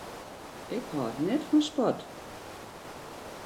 Ik hâld net fan sport.